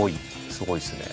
すごいですね。